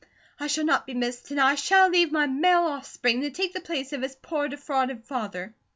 I shall not be missed, and I shall leave my male offspring to take the place of his poor, defrauded father."